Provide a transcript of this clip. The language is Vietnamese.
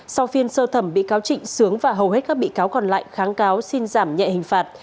sau phiên sơ thẩm bị cáo trịnh sướng và hầu hết các bị cáo còn lại kháng cáo xin giảm nhẹ hình phạt